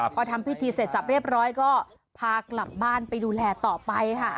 พอทำพิธีเสร็จสับเรียบร้อยก็พากลับบ้านไปดูแลต่อไปค่ะ